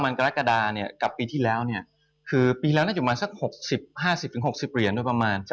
สมันกรกฎากรกับปีที่แล้วเนี่ยคือปีที่แล้วน่าจะอยู่มาสัก๕๐๖๐เหรียญโดยประมาณ